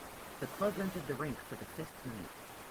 The club rented the rink for the fifth night.